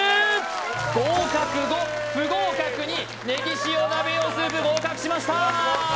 合格５不合格２ねぎ塩鍋用スープ合格しました